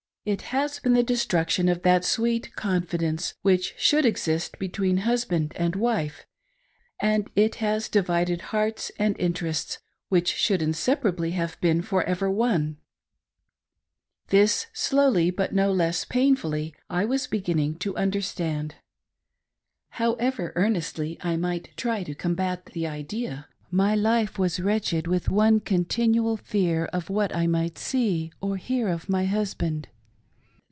It has been the destruction of that sweet confidence which should exist between husband and wife, and it has divided hearts and interests which should inseparably have been for ever one. This, slowly but no less painfully, I was beginning to under starid. However earnestly I might try to combat the idea, my life was wretched with the one continual fear of what I might see or hear of my husband.